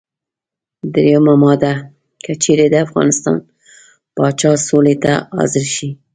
دریمه ماده: که چېرې د افغانستان پاچا سولې ته حاضر شي.